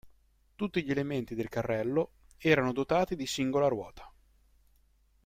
Tutti gli elementi del carrello erano dotati di singola ruota.